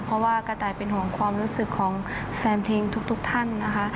เพราะว่ากระต่ายเป็นห่วงความรู้สึกของแฟนเพลงทุกท่านนะคะ